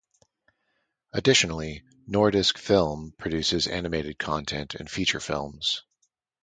Additionally, Nordisk Film produces animated content and feature films.